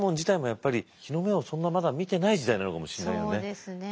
そうですね。